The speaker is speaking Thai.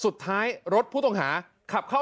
สุดท้ายตำรวจสระบุรีช่วยสกัดจับหน่อย